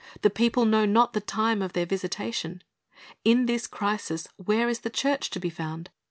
The people know not the time of their visitation. In this crisis, where is the church to be found?